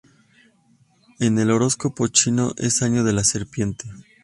En el horóscopo chino es Año de la Serpiente.